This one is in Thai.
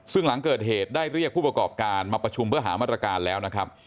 ซึ่งหลังเกิดเหตุได้เรียกผู้ประกอบการมาประชุมเพื่อหามาตรการแล้วนะครับ